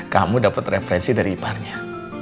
kamu dapat referensi dari iparnya